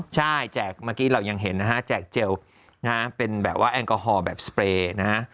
ใช่แจกเจลล้างมือนะฮะเป็นแบบว่าแอลกอฮอล์แบบสเปรย์นะฮะ